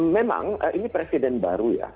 memang ini presiden baru ya